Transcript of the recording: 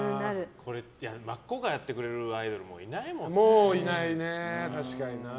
これ真っ向からやってくれるアイドルもいないもんね。